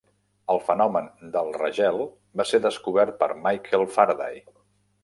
El fenomen del regel va ser descobert per Michael Faraday.